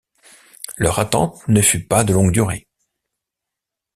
Leur attente ne fut pas de longue durée.